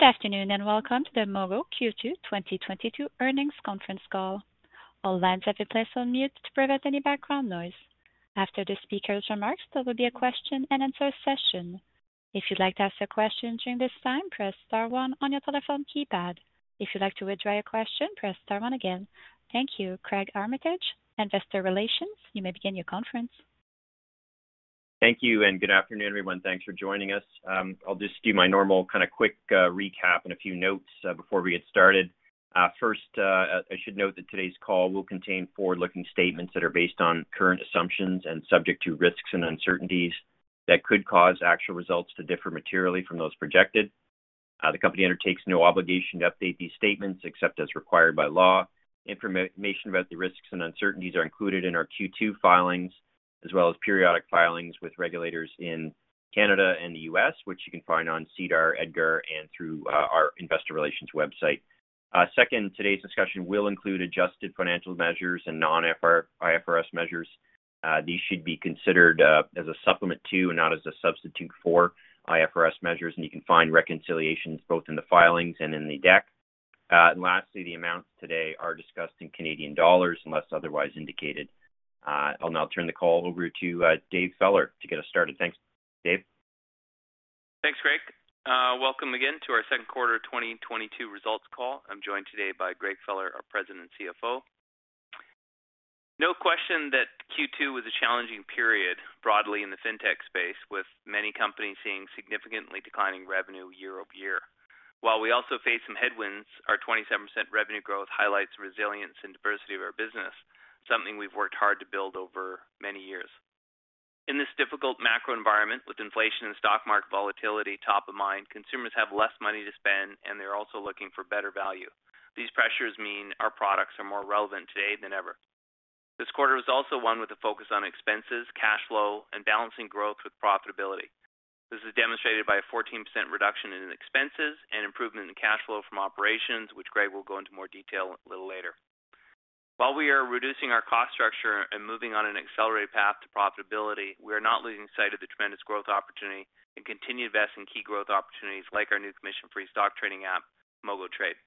Good afternoon, and welcome to the Mogo Q2 2022 earnings conference call. All lines have been placed on mute to prevent any background noise. After the speaker's remarks, there will be a question and answer session. If you'd like to ask a question during this time, press star one on your telephone keypad. If you'd like to withdraw your question, press star one again. Thank you. Craig Armitage, Investor Relations, you may begin your conference. Thank you, and good afternoon, everyone. Thanks for joining us. I'll just do my normal kinda quick recap and a few notes before we get started. First, I should note that today's call will contain forward-looking statements that are based on current assumptions and subject to risks and uncertainties that could cause actual results to differ materially from those projected. The company undertakes no obligation to update these statements except as required by law. Information about the risks and uncertainties are included in our Q2 filings, as well as periodic filings with regulators in Canada and the U.S., which you can find on SEDAR, EDGAR, and through our investor relations website. Second, today's discussion will include adjusted financial measures and non-IFRS measures. These should be considered as a supplement to and not as a substitute for IFRS measures, and you can find reconciliations both in the filings and in the deck. Lastly, the amounts today are discussed in Canadian dollars unless otherwise indicated. I'll now turn the call over to Dave Feller to get us started. Thanks. Dave. Thanks, Craig. Welcome again to our second quarter 2022 results call. I'm joined today by Gregory Feller, our President and CFO. No question that Q2 was a challenging period broadly in the fintech space, with many companies seeing significantly declining revenue year-over-year. While we also face some headwinds, our 27% revenue growth highlights resilience and diversity of our business, something we've worked hard to build over many years. In this difficult macro environment, with inflation and stock market volatility top of mind, consumers have less money to spend, and they're also looking for better value. These pressures mean our products are more relevant today than ever. This quarter was also one with a focus on expenses, cash flow, and balancing growth with profitability. This is demonstrated by a 14% reduction in expenses and improvement in cash flow from operations, which Greg will go into more detail a little later. While we are reducing our cost structure and moving on an accelerated path to profitability, we are not losing sight of the tremendous growth opportunity and continue to invest in key growth opportunities like our new commission-free stock trading app, MogoTrade.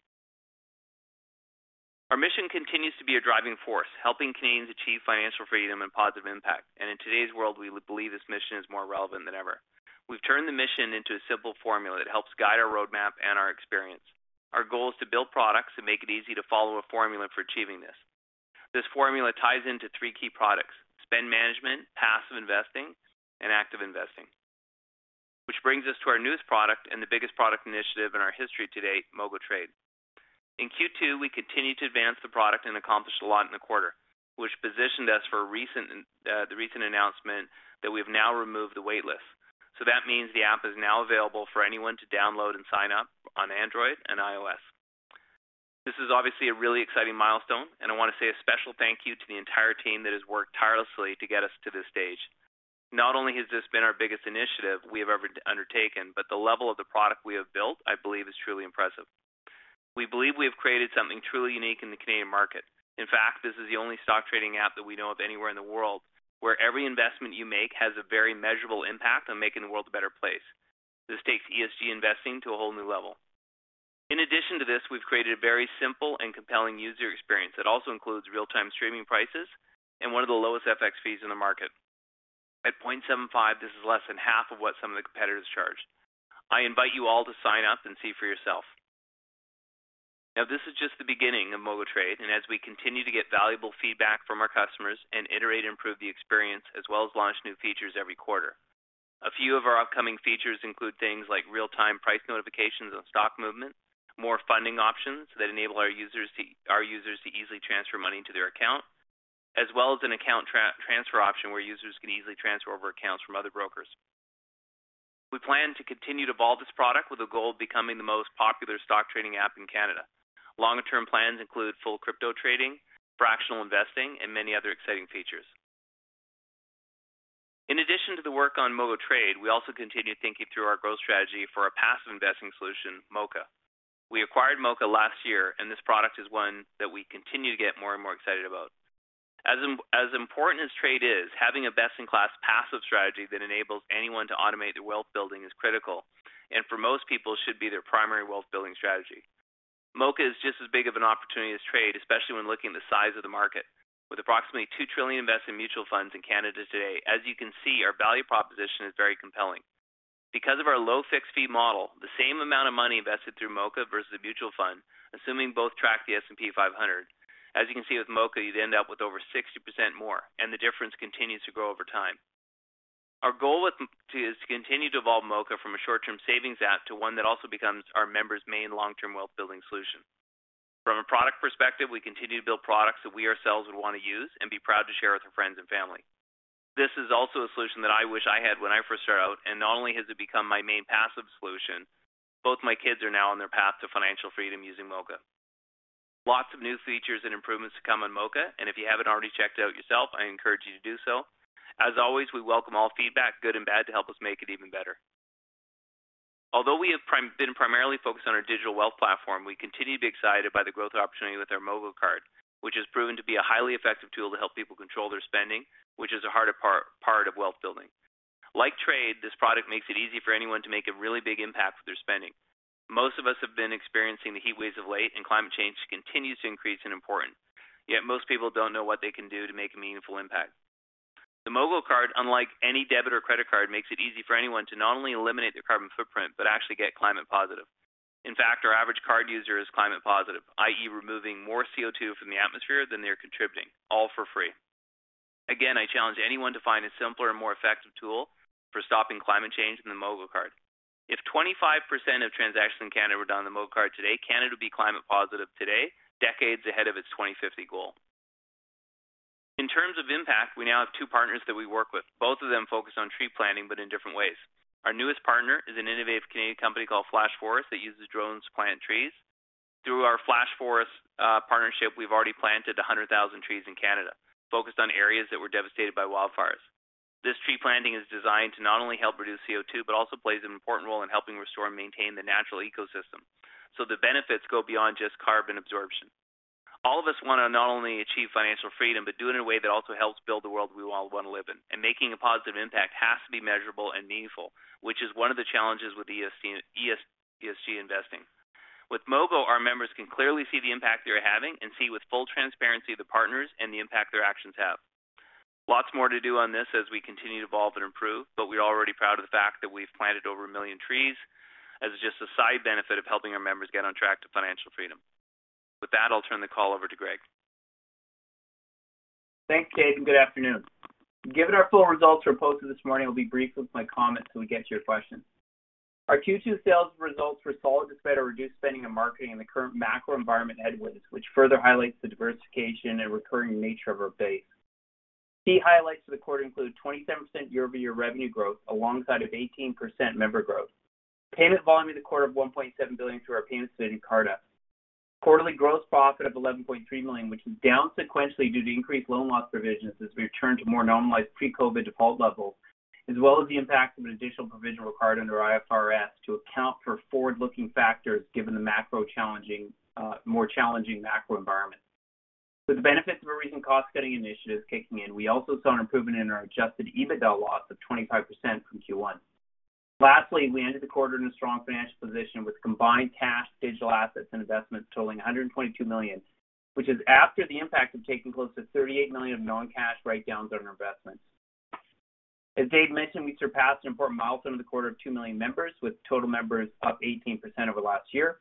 Our mission continues to be a driving force, helping Canadians achieve financial freedom and positive impact. In today's world, we believe this mission is more relevant than ever. We've turned the mission into a simple formula that helps guide our roadmap and our experience. Our goal is to build products that make it easy to follow a formula for achieving this. This formula ties into three key products, spend management, passive investing, and active investing. Which brings us to our newest product and the biggest product initiative in our history to date, MogoTrade. In Q2, we continued to advance the product and accomplished a lot in the quarter, which positioned us for a recent, the recent announcement that we have now removed the wait list. That means the app is now available for anyone to download and sign up on Android and iOS. This is obviously a really exciting milestone, and I wanna say a special thank you to the entire team that has worked tirelessly to get us to this stage. Not only has this been our biggest initiative we have ever undertaken, but the level of the product we have built, I believe, is truly impressive. We believe we have created something truly unique in the Canadian market. In fact, this is the only stock trading app that we know of anywhere in the world where every investment you make has a very measurable impact on making the world a better place. This takes ESG investing to a whole new level. In addition to this, we've created a very simple and compelling user experience that also includes real-time streaming prices and one of the lowest FX fees in the market. At 0.75%, this is less than half of what some of the competitors charge. I invite you all to sign up and see for yourself. Now, this is just the beginning of MogoTrade, and as we continue to get valuable feedback from our customers and iterate and improve the experience, as well as launch new features every quarter. A few of our upcoming features include things like real-time price notifications on stock movement, more funding options that enable our users to easily transfer money into their account, as well as an account transfer option where users can easily transfer over accounts from other brokers. We plan to continue to evolve this product with the goal of becoming the most popular stock trading app in Canada. Longer term plans include full crypto trading, fractional investing, and many other exciting features. In addition to the work on MogoTrade, we also continue thinking through our growth strategy for our passive investing solution, Moka. We acquired Moka last year, and this product is one that we continue to get more and more excited about. As important as trade is, having a best-in-class passive strategy that enables anyone to automate their wealth building is critical, and for most people should be their primary wealth building strategy. Moka is just as big of an opportunity as trade, especially when looking at the size of the market. With approximately 2 trillion invested in mutual funds in Canada today, as you can see, our value proposition is very compelling. Because of our low fixed fee model, the same amount of money invested through Moka versus a mutual fund, assuming both track the S&P 500, as you can see with Moka, you'd end up with over 60% more, and the difference continues to grow over time. Our goal with Moka is to continue to evolve Moka from a short-term savings app to one that also becomes our members' main long-term wealth-building solution. From a product perspective, we continue to build products that we ourselves would wanna use and be proud to share with our friends and family. This is also a solution that I wish I had when I first started out, and not only has it become my main passive solution, both my kids are now on their path to financial freedom using Moka. Lots of new features and improvements to come on Moka, and if you haven't already checked it out yourself, I encourage you to do so. As always, we welcome all feedback, good and bad, to help us make it even better. Although we have been primarily focused on our digital wealth platform, we continue to be excited by the growth opportunity with our MogoCard, which has proven to be a highly effective tool to help people control their spending, which is a harder part of wealth building. Like trade, this product makes it easy for anyone to make a really big impact with their spending. Most of us have been experiencing the heatwaves of late, and climate change continues to increase in importance. Yet most people don't know what they can do to make a meaningful impact. The MogoCard, unlike any debit or credit card, makes it easy for anyone to not only eliminate their carbon footprint but actually get climate positive. In fact, our average card user is climate positive, i.e., removing more CO2 from the atmosphere than they're contributing, all for free. Again, I challenge anyone to find a simpler and more effective tool for stopping climate change than the MogoCard. If 25% of transactions in Canada were done on the MogoCard today, Canada would be climate positive today, decades ahead of its 2050 goal. In terms of impact, we now have two partners that we work with, both of them focused on tree planting but in different ways. Our newest partner is an innovative Canadian company called Flash Forest that uses drones to plant trees. Through our Flash Forest partnership, we've already planted 100,000 trees in Canada, focused on areas that were devastated by wildfires. This tree planting is designed to not only help reduce CO2, but also plays an important role in helping restore and maintain the natural ecosystem. The benefits go beyond just carbon absorption. All of us wanna not only achieve financial freedom but do it in a way that also helps build the world we all wanna live in, and making a positive impact has to be measurable and meaningful, which is one of the challenges with ESG investing. With Mogo, our members can clearly see the impact they are having and see with full transparency the partners and the impact their actions have. Lots more to do on this as we continue to evolve and improve, but we're already proud of the fact that we've planted over 1 million trees as just a side benefit of helping our members get on track to financial freedom. With that, I'll turn the call over to Greg. Thanks, Dave, and good afternoon. Given our full results were posted this morning, I'll be brief with my comments so we can get to your questions. Our Q2 sales results were solid despite our reduced spending and marketing in the current macro environment headwinds, which further highlights the diversification and recurring nature of our base. Key highlights for the quarter include 27% year-over-year revenue growth alongside of 18% member growth. Payment volume in the quarter of 1.7 billion through our payment solution, Carta. Quarterly gross profit of 11.3 million, which is down sequentially due to increased loan loss provisions as we return to more normalized pre-COVID default levels, as well as the impact of an additional provision required under IFRS to account for forward-looking factors given the more challenging macro environment. With the benefits of our recent cost-cutting initiatives kicking in, we also saw an improvement in our adjusted EBITDA loss of 25% from Q1. Lastly, we ended the quarter in a strong financial position with combined cash, digital assets, and investments totaling 122 million, which is after the impact of taking close to 38 million of non-cash write-downs on our investments. As Dave mentioned, we surpassed an important milestone in the quarter of 2 million members, with total members up 18% over last year.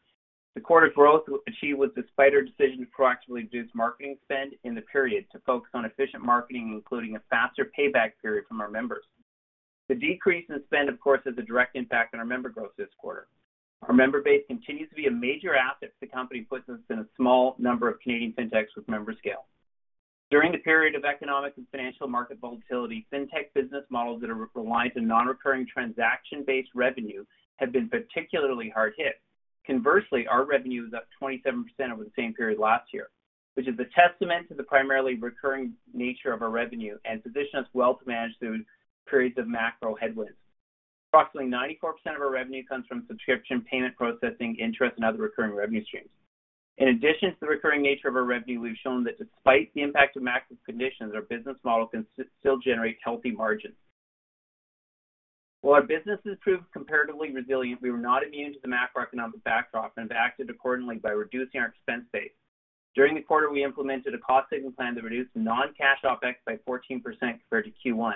The quarter growth achieved was despite our decision to proactively reduce marketing spend in the period to focus on efficient marketing, including a faster payback period from our members. The decrease in spend, of course, has a direct impact on our member growth this quarter. Our member base continues to be a major asset to the company, puts us in a small number of Canadian Fintechs with member scale. During the period of economic and financial market volatility, Fintech business models that are reliant on non-recurring transaction-based revenue have been particularly hard hit. Conversely, our revenue is up 27% over the same period last year, which is a testament to the primarily recurring nature of our revenue and positions wealth management through periods of macro headwinds. Approximately 94% of our revenue comes from subscription, payment processing, interest, and other recurring revenue streams. In addition to the recurring nature of our revenue, we've shown that despite the impact of macro conditions, our business model can still generate healthy margins. While our business has proved comparatively resilient, we were not immune to the macroeconomic backdrop and have acted accordingly by reducing our expense base. During the quarter, we implemented a cost-saving plan that reduced non-cash OpEx by 14% compared to Q1.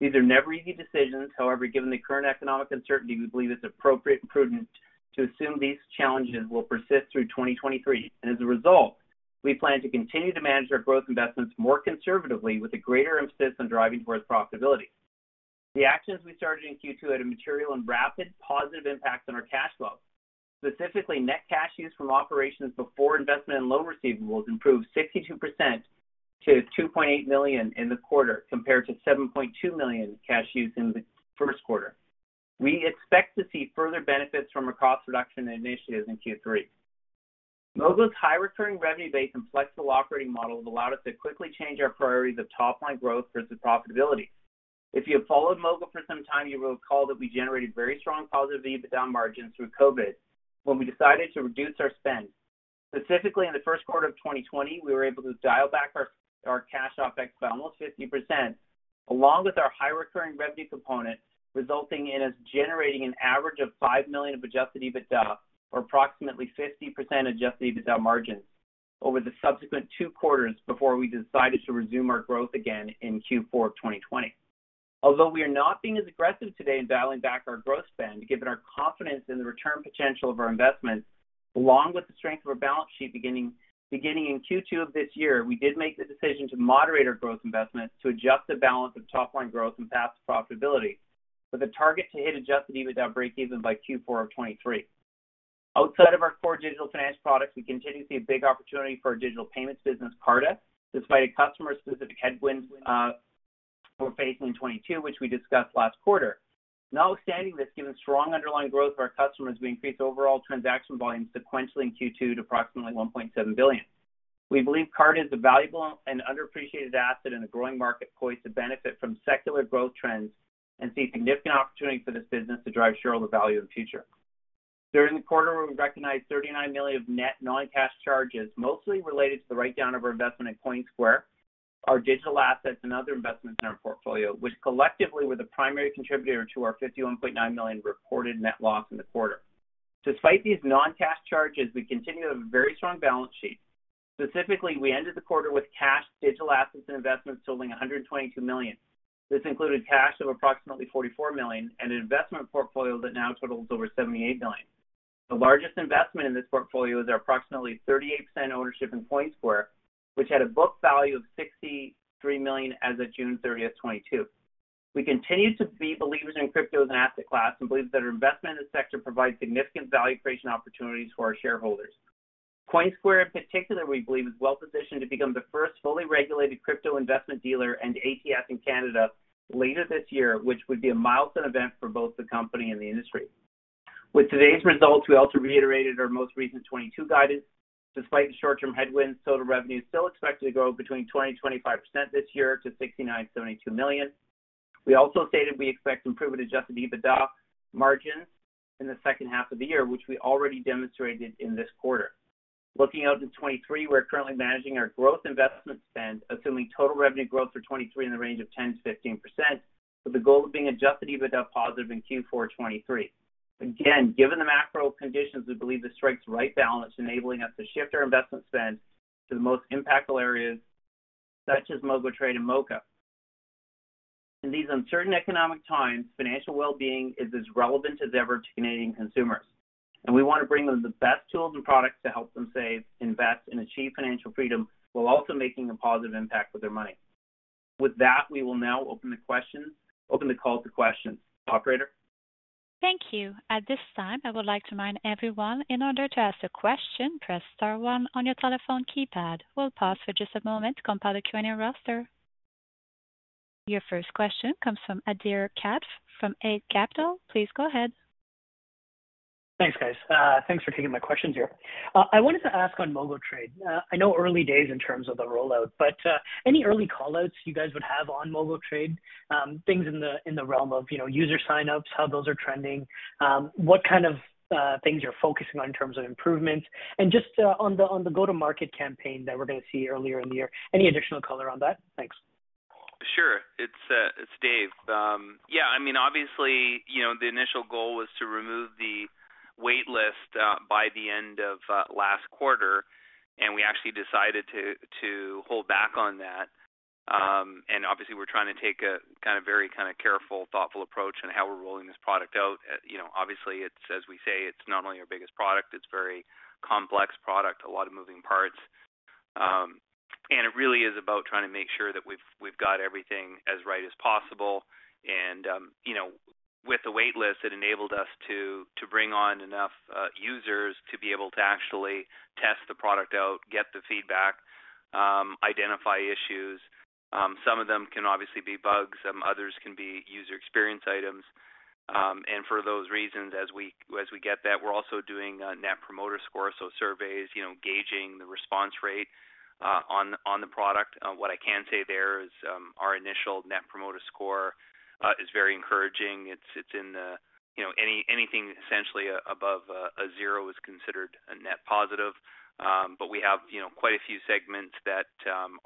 These are never easy decisions. However, given the current economic uncertainty, we believe it's appropriate and prudent to assume these challenges will persist through 2023. As a result, we plan to continue to manage our growth investments more conservatively with a greater emphasis on driving towards profitability. The actions we started in Q2 had a material and rapid positive impact on our cash flow. Specifically, net cash use from operations before investment in loan receivables improved 62% to 2.8 million in the quarter, compared to 7.2 million cash use in the first quarter. We expect to see further benefits from our cost reduction initiatives in Q3. Mogo's high recurring revenue base and flexible operating model has allowed us to quickly change our priorities of top-line growth versus profitability. If you have followed Mogo for some time, you will recall that we generated very strong positive EBITDA margins through COVID when we decided to reduce our spend. Specifically, in the first quarter of 2020, we were able to dial back our cash OpEx by almost 50%, along with our high recurring revenue component, resulting in us generating an average of 5 million of adjusted EBITDA or approximately 50% Adjusted EBITDA margins over the subsequent two quarters before we decided to resume our growth again in Q4 of 2020. Although we are not being as aggressive today in dialing back our growth spend, given our confidence in the return potential of our investments, along with the strength of our balance sheet beginning in Q2 of this year, we did make the decision to moderate our growth investments to adjust the balance of top-line growth and path to profitability with a target to hit Adjusted EBITDA breakeven by Q4 of 2023. Outside of our core digital finance products, we continue to see a big opportunity for our digital payments business, Carta, despite a customer-specific headwinds we're facing in 2022, which we discussed last quarter. Notwithstanding this, given strong underlying growth of our customers, we increased overall transaction volume sequentially in Q2 to approximately 1.7 billion. We believe Carta is a valuable and underappreciated asset in a growing market poised to benefit from secular growth trends and see significant opportunity for this business to drive shareholder value in the future. During the quarter, we recognized 39 million of net non-cash charges, mostly related to the write-down of our investment in Coinsquare, our digital assets and other investments in our portfolio, which collectively were the primary contributor to our 51.9 million reported net loss in the quarter. Despite these non-cash charges, we continue to have a very strong balance sheet. Specifically, we ended the quarter with cash, digital assets and investments totaling 122 million. This included cash of approximately 44 million and an investment portfolio that now totals over 78 million. The largest investment in this portfolio is our approximately 38% ownership in Coinsquare, which had a book value of 63 million as of June 30, 2022. We continue to be believers in crypto as an asset class and believe that our investment in this sector provides significant value creation opportunities for our shareholders. Coinsquare in particular, we believe is well-positioned to become the first fully regulated crypto investment dealer and ATS in Canada later this year, which would be a milestone event for both the company and the industry. With today's results, we also reiterated our most recent 2022 guidance. Despite the short-term headwinds, total revenue is still expected to grow between 20%-25% this year to 69 million-72 million. We also stated we expect improved Adjusted EBITDA margins in the second half of the year, which we already demonstrated in this quarter. Looking out to 2023, we're currently managing our growth investment spend, assuming total revenue growth for 2023 in the range of 10%-15%, with the goal of being Adjusted EBITDA positive in Q4 2023. Again, given the macro conditions, we believe this strikes the right balance, enabling us to shift our investment spend to the most impactful areas such as MogoTrade and Moka. In these uncertain economic times, financial well-being is as relevant as ever to Canadian consumers, and we want to bring them the best tools and products to help them save, invest, and achieve financial freedom while also making a positive impact with their money. With that, we will now open the call to questions. Operator. Thank you. At this time, I would like to remind everyone in order to ask a question, press star one on your telephone keypad. We'll pause for just a moment to compile the Q&A roster. Your first question comes from Adhir Kadve from Eight Capital. Please go ahead. Thanks, guys. Thanks for taking my questions here. I wanted to ask on MogoTrade. I know early days in terms of the rollout, but any early call-outs you guys would have on MogoTrade, things in the realm of, you know, user sign-ups, how those are trending, what kind of things you're focusing on in terms of improvements and just on the go-to-market campaign that we're going to see earlier in the year. Any additional color on that? Thanks. Sure. It's Dave. Yeah, I mean, obviously, you know, the initial goal was to remove the wait list by the end of last quarter, and we actually decided to hold back on that. Obviously we're trying to take a very careful, thoughtful approach on how we're rolling this product out. You know, obviously, it's as we say, it's not only our biggest product, it's very complex product, a lot of moving parts. It really is about trying to make sure that we've got everything as right as possible. You know, with the wait list, it enabled us to bring on enough users to be able to actually test the product out, get the feedback, identify issues. Some of them can obviously be bugs, some others can be user experience items. For those reasons, as we get that, we're also doing a net promoter score. Surveys, you know, gauging the response rate on the product. What I can say there is, our initial net promoter score is very encouraging. It's in the, you know, anything essentially above a zero is considered a net positive. We have, you know, quite a few segments that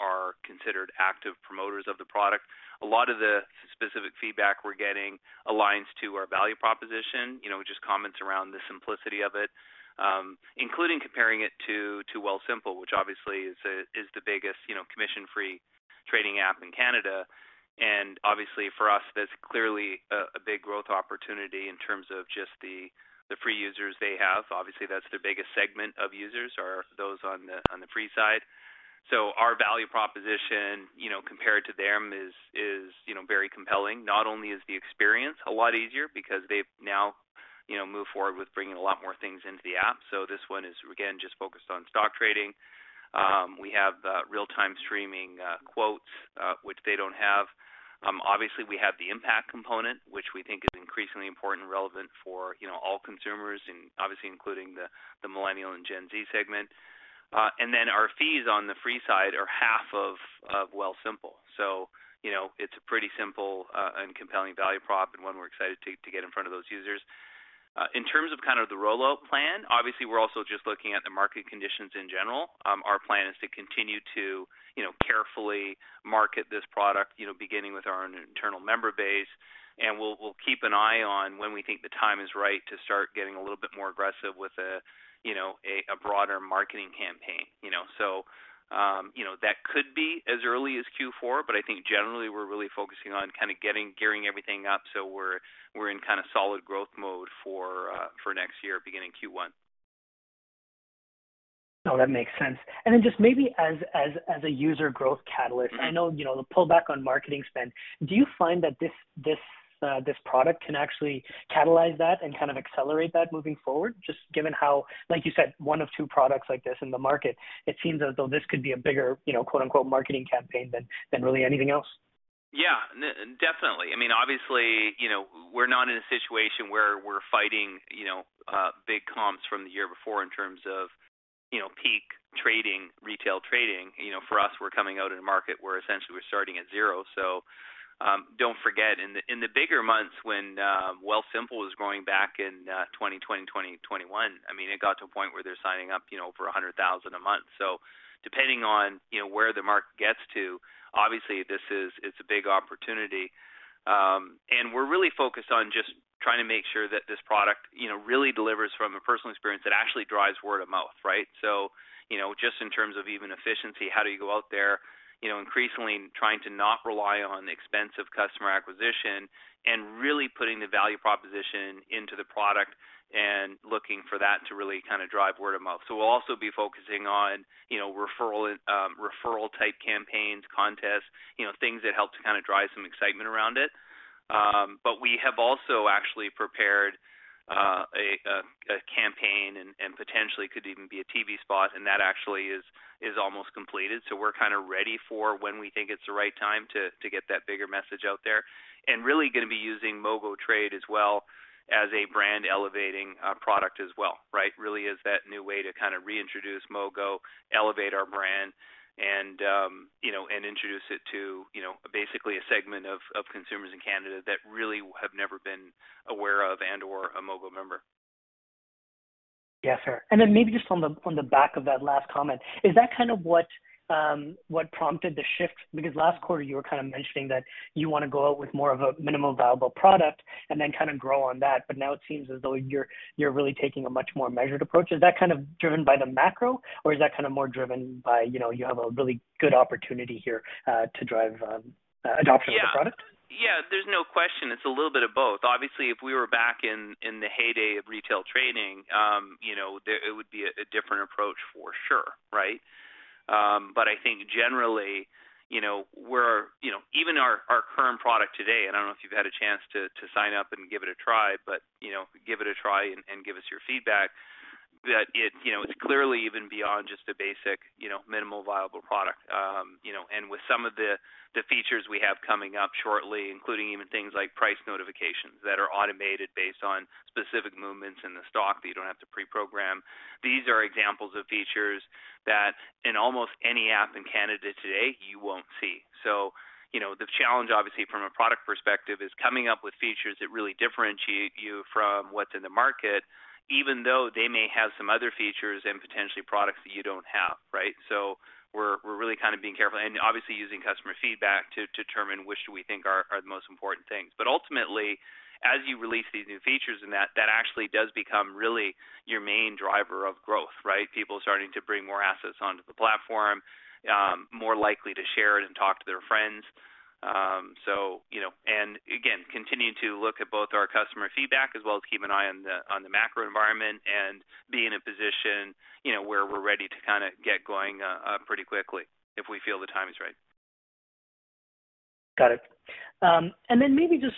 are considered active promoters of the product. A lot of the specific feedback we're getting aligns to our value proposition. You know, just comments around the simplicity of it, including comparing it to Wealthsimple, which obviously is the biggest, you know, commission-free trading app in Canada. Obviously for us, that's clearly a big growth opportunity in terms of just the free users they have. Obviously, that's their biggest segment of users are those on the free side. Our value proposition, you know, compared to them is, you know, very compelling. Not only is the experience a lot easier because they've now, you know, moved forward with bringing a lot more things into the app. This one is again, just focused on stock trading. We have real-time streaming quotes, which they don't have. Obviously, we have the impact component, which we think is increasingly important and relevant for, you know, all consumers and obviously including the Millennial and Gen Z segment. And then our fees on the free side are half of Wealthsimple. You know, it's a pretty simple and compelling value prop and one we're excited to get in front of those users. In terms of kind of the rollout plan, obviously, we're also just looking at the market conditions in general. Our plan is to continue to, you know, carefully market this product, you know, beginning with our own internal member base. We'll keep an eye on when we think the time is right to start getting a little bit more aggressive with a, you know, a broader marketing campaign. You know, that could be as early as Q4, but I think generally we're really focusing on kind of gearing everything up so we're in kind of solid growth mode for next year, beginning Q1. No, that makes sense. Then just maybe as a user growth catalyst, I know, you know, the pullback on marketing spend, do you find that this product can actually catalyze that and kind of accelerate that moving forward? Just given how, like you said, one of two products like this in the market, it seems as though this could be a bigger, you know, quote-unquote, "marketing campaign" than really anything else. Yeah, definitely. I mean, obviously, you know, we're not in a situation where we're fighting, you know, big comps from the year before in terms of you know, peak trading, retail trading, you know, for us, we're coming out in a market where essentially we're starting at zero. Don't forget. In the bigger months when Wealthsimple was growing back in 2020, 2021, I mean, it got to a point where they're signing up, you know, for 100,000 a month. So depending on, you know, where the market gets to, obviously this is. It's a big opportunity. We're really focused on just trying to make sure that this product, you know, really delivers from a personal experience that actually drives word-of-mouth, right? You know, just in terms of even efficiency, how do you go out there, you know, increasingly trying to not rely on expensive customer acquisition and really putting the value proposition into the product and looking for that to really kind of drive word-of-mouth. We'll also be focusing on, you know, referral type campaigns, contests, you know, things that help to kind of drive some excitement around it. But we have also actually prepared a campaign and potentially could even be a TV spot, and that actually is almost completed. We're kind of ready for when we think it's the right time to get that bigger message out there. Really gonna be using MogoTrade as well as a brand elevating product as well, right? Really is that new way to kind of reintroduce Mogo, elevate our brand and, you know, and introduce it to, you know, basically a segment of consumers in Canada that really have never been aware of and/or a Mogo member. Yeah, sure. Then maybe just on the back of that last comment, is that kind of what prompted the shift? Because last quarter you were kind of mentioning that you wanna go out with more of a minimum viable product and then kind of grow on that, but now it seems as though you're really taking a much more measured approach. Is that kind of driven by the macro, or is that kind of more driven by, you know, you have a really good opportunity here to drive adoption of the product? Yeah. Yeah, there's no question. It's a little bit of both. Obviously, if we were back in the heyday of retail trading, you know, it would be a different approach for sure, right? I think generally, you know, we're you know, even our current product today, and I don't know if you've had a chance to sign up and give it a try, but you know, give it a try and give us your feedback that it you know, it's clearly even beyond just a basic you know, minimal viable product. You know, with some of the features we have coming up shortly, including even things like price notifications that are automated based on specific movements in the stock that you don't have to pre-program. These are examples of features that in almost any app in Canada today, you won't see. You know, the challenge obviously from a product perspective is coming up with features that really differentiate you from what's in the market, even though they may have some other features and potentially products that you don't have, right? We're really kind of being careful and obviously using customer feedback to determine which we think are the most important things. Ultimately, as you release these new features and that actually does become really your main driver of growth, right? People starting to bring more assets onto the platform, more likely to share it and talk to their friends. You know. Again, continuing to look at both our customer feedback as well as keep an eye on the macro environment and be in a position, you know, where we're ready to kinda get going, pretty quickly if we feel the timing is right. Got it. Maybe just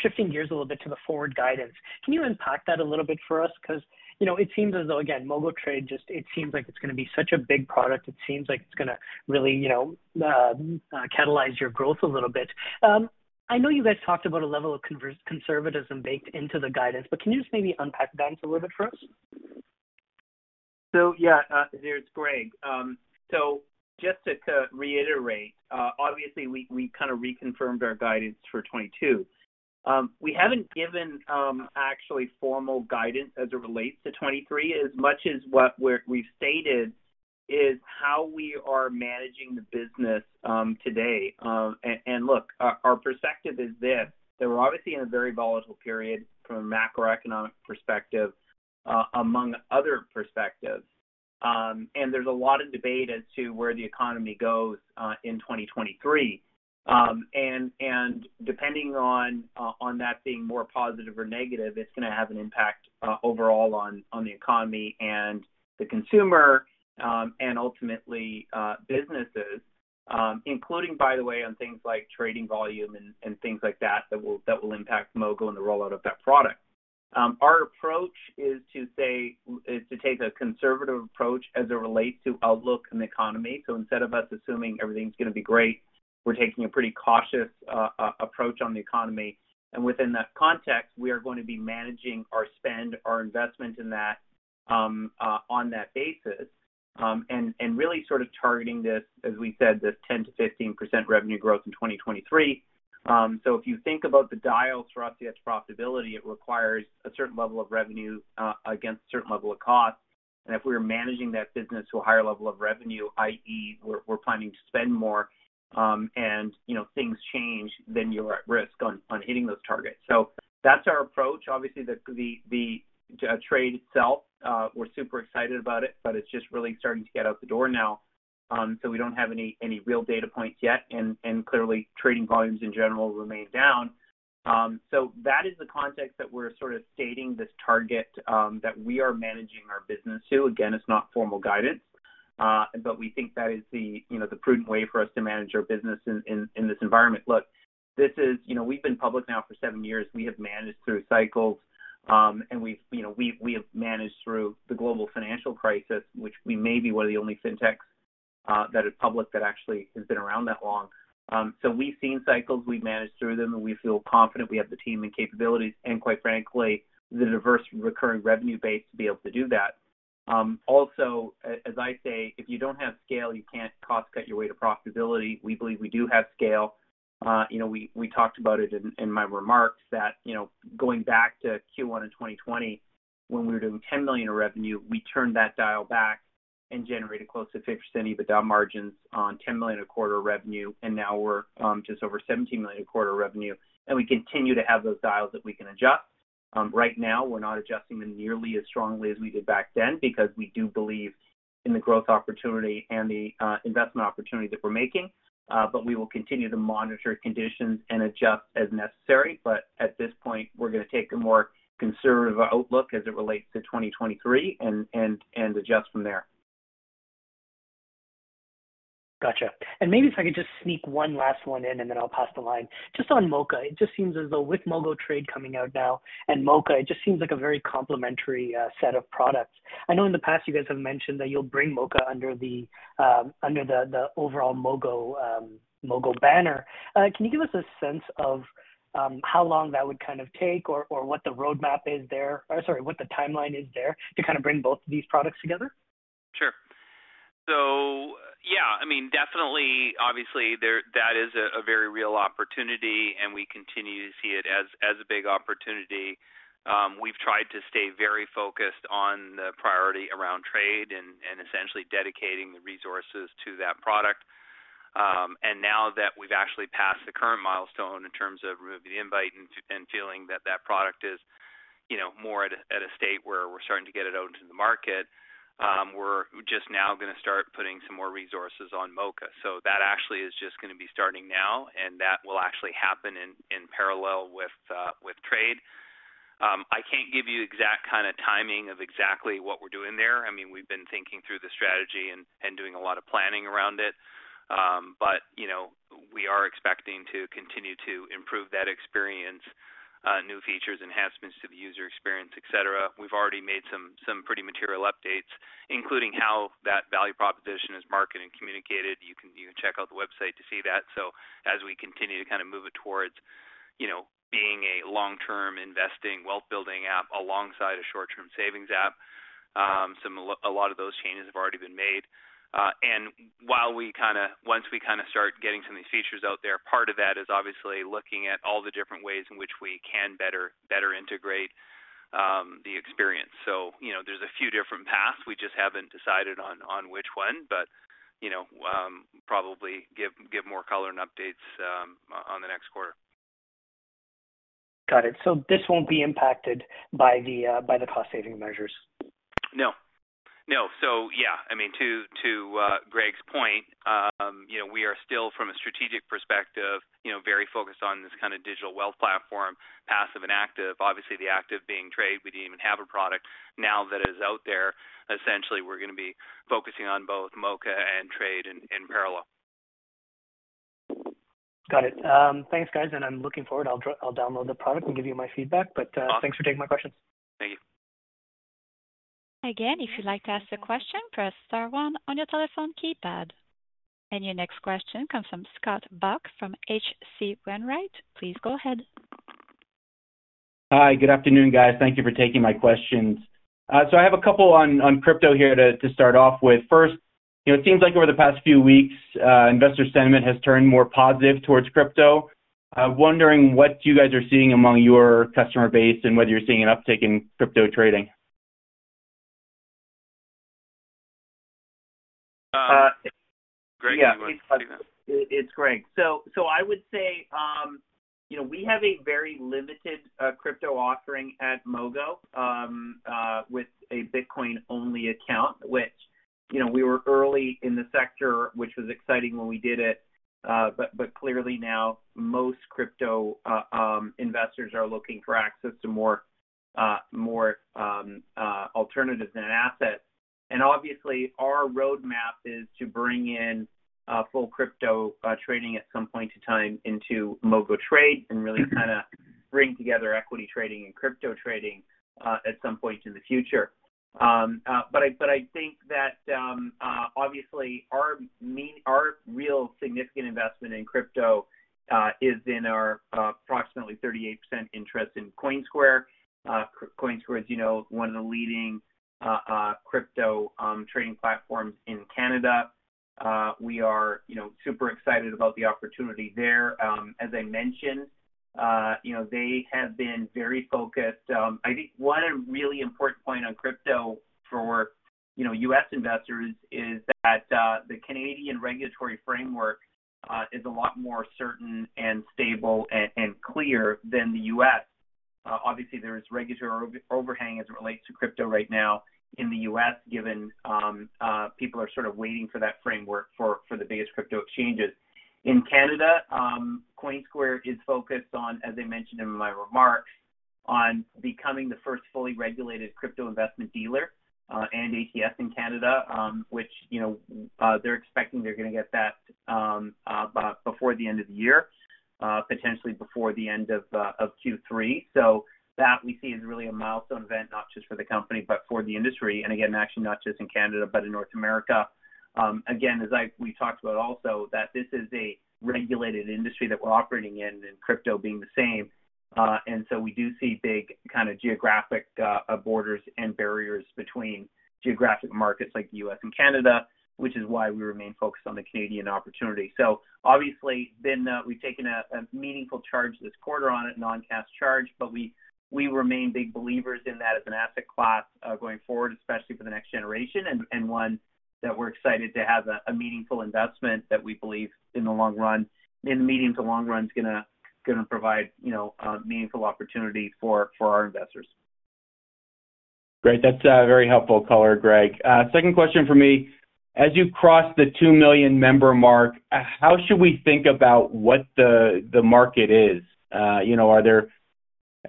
shifting gears a little bit to the forward guidance. Can you unpack that a little bit for us? 'Cause, you know, it seems as though, again, MogoTrade. It seems like it's gonna be such a big product. It seems like it's gonna really, you know, catalyze your growth a little bit. I know you guys talked about a level of conservatism baked into the guidance, but can you just maybe unpack that a little bit for us? Yeah. Here's Greg. Just to reiterate, obviously we kind of reconfirmed our guidance for 2022. We haven't given actually formal guidance as it relates to 2023, as much as what we've stated is how we are managing the business today. Look, our perspective is this, that we're obviously in a very volatile period from a macroeconomic perspective, among other perspectives. There's a lot of debate as to where the economy goes in 2023. Depending on that being more positive or negative, it's gonna have an impact overall on the economy and the consumer, and ultimately businesses, including by the way, on things like trading volume and things like that that will impact Mogo and the rollout of that product. Our approach is to take a conservative approach as it relates to outlook in the economy. Instead of us assuming everything's gonna be great, we're taking a pretty cautious approach on the economy. Within that context, we are going to be managing our spend, our investment in that, on that basis, and really sort of targeting this, as we said, this 10%-15% revenue growth in 2023. If you think about the path to profitability, it requires a certain level of revenue against a certain level of cost. If we are managing that business to a higher level of revenue, i.e. we're planning to spend more, and you know, things change, then you're at risk on hitting those targets. That's our approach. Obviously, the trade itself, we're super excited about it, but it's just really starting to get out the door now. We don't have any real data points yet, and clearly trading volumes in general remain down. That is the context that we're sort of stating this target, that we are managing our business to. Again, it's not formal guidance, but we think that is, you know, the prudent way for us to manage our business in this environment. Look, this is. You know, we've been public now for seven years. We have managed through cycles, and we've, you know, we have managed through the global financial crisis, which we may be one of the only fintechs. That is public that actually has been around that long. So we've seen cycles, we've managed through them, and we feel confident we have the team and capabilities and quite frankly, the diverse recurring revenue base to be able to do that. Also, as I say, if you don't have scale, you can't cost cut your way to profitability. We believe we do have scale. You know, we talked about it in my remarks that, you know, going back to Q1 in 2020 when we were doing 10 million in revenue, we turned that dial back and generated close to 50% EBITDA margins on 10 million a quarter revenue. Now we're just over 17 million a quarter revenue, and we continue to have those dials that we can adjust. Right now, we're not adjusting them nearly as strongly as we did back then because we do believe in the growth opportunity and the investment opportunity that we're making. We will continue to monitor conditions and adjust as necessary. At this point, we're gonna take a more conservative outlook as it relates to 2023 and adjust from there. Gotcha. Maybe if I could just sneak one last one in, and then I'll pass the line. Just on Moka. It just seems as though with MogoTrade coming out now and Moka, it just seems like a very complementary set of products. I know in the past you guys have mentioned that you'll bring Moka under the overall Mogo banner. Can you give us a sense of how long that would kind of take or what the roadmap is there? Or sorry, what the timeline is there to kind of bring both of these products together? Sure. Yeah, I mean, definitely, obviously there is a very real opportunity, and we continue to see it as a big opportunity. We've tried to stay very focused on the priority around trade and essentially dedicating the resources to that product. Now that we've actually passed the current milestone in terms of removing the invite and feeling that product is, you know, more at a state where we're starting to get it out into the market, we're just now gonna start putting some more resources on Moka. That actually is just gonna be starting now, and that will actually happen in parallel with trade. I can't give you exact kind of timing of exactly what we're doing there. I mean, we've been thinking through the strategy and doing a lot of planning around it. You know, we are expecting to continue to improve that experience, new features, enhancements to the user experience, et cetera. We've already made some pretty material updates, including how that value proposition is marketed and communicated. You can check out the website to see that. As we continue to kind of move it towards, you know, being a long-term investing wealth-building app alongside a short-term savings app, a lot of those changes have already been made. Once we kinda start getting some of these features out there, part of that is obviously looking at all the different ways in which we can better integrate the experience. You know, there's a few different paths. We just haven't decided on which one, but you know, probably give more color and updates on the next quarter. Got it. This won't be impacted by the cost saving measures? No. Yeah, I mean, to Greg's point, you know, we are still from a strategic perspective, you know, very focused on this kind of digital wealth platform, passive and active. Obviously, the active being MogoTrade. We do even have a product now that is out there. Essentially, we're gonna be focusing on both Moka and MogoTrade in parallel. Got it. Thanks, guys, and I'm looking forward. I'll download the product and give you my feedback. Awesome. Thanks for taking my questions. Thank you. Again, if you'd like to ask a question, press star one on your telephone keypad. Your next question comes from Scott Buck from H.C. Wainwright & Co. Please go ahead. Hi. Good afternoon, guys. Thank you for taking my questions. I have a couple on crypto here to start off with. First, you know, it seems like over the past few weeks, investor sentiment has turned more positive towards crypto. I'm wondering what you guys are seeing among your customer base and whether you're seeing an uptick in crypto trading. Greg, you wanna take that? It's Greg. I would say, you know, we have a very limited crypto offering at Mogo, with a Bitcoin-only account, which, you know, we were early in the sector, which was exciting when we did it. Clearly now most crypto investors are looking for access to more alternatives and assets. Our roadmap is to bring in full crypto trading at some point in time into MogoTrade and really kinda bring together equity trading and crypto trading at some point in the future. I think that obviously our real significant investment in crypto is in our approximately 38% interest in Coinsquare. Coinsquare is, you know, one of the leading crypto trading platforms in Canada. We are, you know, super excited about the opportunity there. As I mentioned, you know, they have been very focused. I think one really important point on crypto for, you know, U.S. investors is that the Canadian regulatory framework is a lot more certain and stable and clear than the U.S. Obviously, there is regulatory overhang as it relates to crypto right now in the U.S., given people are sort of waiting for that framework for the biggest crypto exchanges. In Canada, Coinsquare is focused on, as I mentioned in my remarks, becoming the first fully regulated crypto investment dealer and ATS in Canada, which, you know, they're expecting they're gonna get that before the end of the year. Potentially before the end of Q3. That we see as really a milestone event, not just for the company, but for the industry. Actually not just in Canada, but in North America. As we talked about also, that this is a regulated industry that we're operating in and crypto being the same. We do see big kind of geographic borders and barriers between geographic markets like U.S., and Canada, which is why we remain focused on the Canadian opportunity. Obviously then, we've taken a meaningful charge this quarter on it, non-cash charge, but we remain big believers in that as an asset class going forward, especially for the next generation and one that we're excited to have a meaningful investment that we believe in the long run. In the medium to long run is gonna provide, you know, meaningful opportunity for our investors. Great. That's very helpful color, Greg. Second question for me. As you cross the 2 million member mark, how should we think about what the market is? You know, are there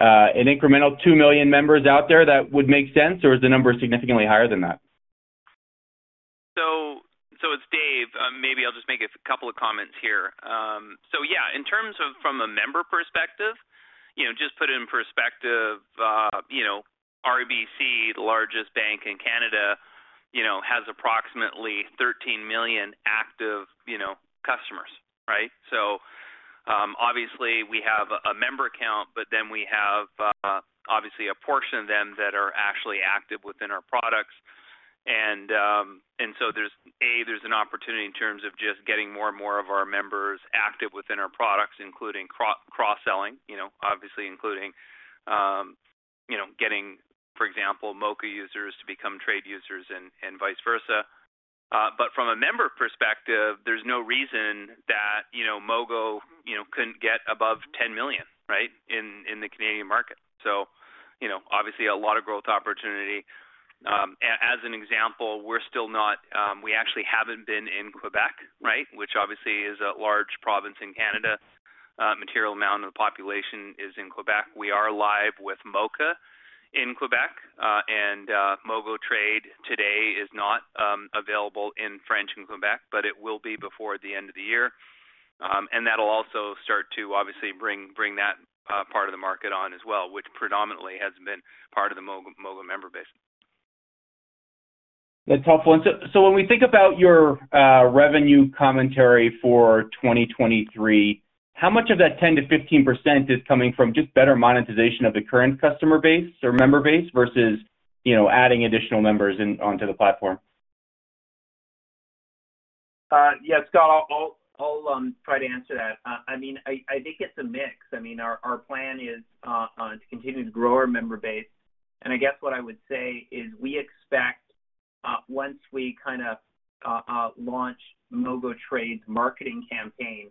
an incremental 2 million members out there that would make sense, or is the number significantly higher than that? It's Dave. Maybe I'll just make a couple of comments here. Yeah, in terms of from a member perspective, you know, just put it in perspective, you know, RBC, the largest bank in Canada, you know, has approximately 13 million active, you know, customers, right? Obviously we have a member account, but then we have obviously a portion of them that are actually active within our products. There's an opportunity in terms of just getting more and more of our members active within our products, including cross-selling, you know. Obviously including, you know, getting, for example, Moka users to become MogoTrade users and vice versa. From a member perspective, there's no reason that, you know, Mogo, you know, couldn't get above 10 million, right, in the Canadian market. You know, obviously a lot of growth opportunity. As an example, we actually haven't been in Quebec, right, which obviously is a large province in Canada. Material amount of the population is in Quebec. We are live with Moka in Quebec, and MogoTrade today is not available in French in Quebec, but it will be before the end of the year. That'll also start to obviously bring that part of the market on as well, which predominantly has been part of the Mogo member base. That's helpful. When we think about your revenue commentary for 2023, how much of that 10%-15% is coming from just better monetization of the current customer base or member base versus, you know, adding additional members onto the platform? Yeah, Scott, I'll try to answer that. I mean, I think it's a mix. I mean, our plan is to continue to grow our member base. I guess what I would say is we expect once we kind of launch MogoTrade's marketing campaign,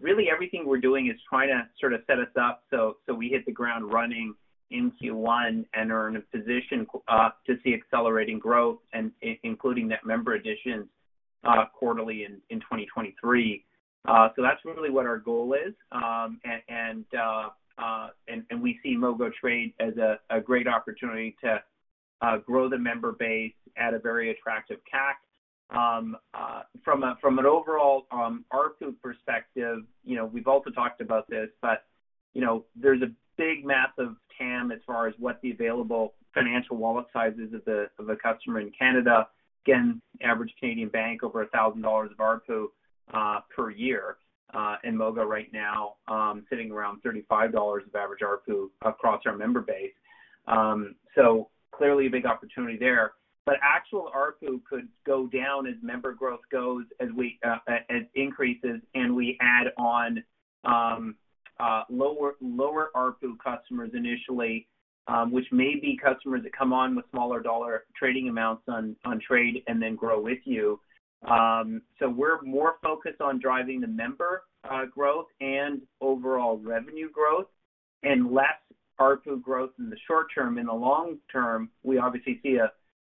really everything we're doing is trying to sort of set us up so we hit the ground running in Q1 and are in a position to see accelerating growth and including net member additions quarterly in 2023. That's really what our goal is. We see MogoTrade as a great opportunity to grow the member base at a very attractive CAC. From an overall ARPU perspective, you know, we've also talked about this, but you know, there's a big massive TAM as far as what the available financial wallet sizes of the customer in Canada. Again, average Canadian bank, over 1,000 dollars of ARPU per year. Mogo right now sitting around 35 dollars of average ARPU across our member base. Clearly a big opportunity there. Actual ARPU could go down as member growth goes, as it increases and we add on lower ARPU customers initially, which may be customers that come on with smaller dollar trading amounts on trade and then grow with you. We're more focused on driving the member growth and overall revenue growth and less ARPU growth in the short term. In the long term, we obviously see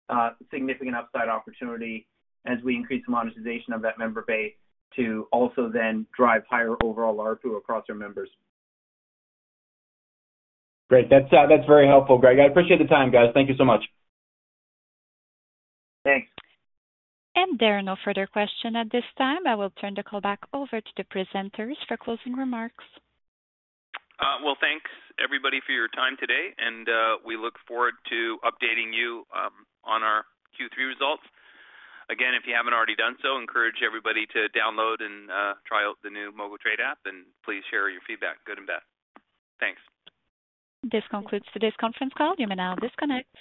a significant upside opportunity as we increase the monetization of that member base to also then drive higher overall ARPU across our members. Great. That's very helpful, Greg. I appreciate the time, guys. Thank you so much. Thanks. There are no further question at this time. I will turn the call back over to the presenters for closing remarks. Well, thanks everybody for your time today, and we look forward to updating you on our Q3 results. Again, if you haven't already done so, encourage everybody to download and try out the new MogoTrade app, and please share your feedback, good and bad. Thanks. This concludes today's conference call. You may now disconnect.